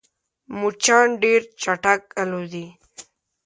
مچان ډېر چټک الوزي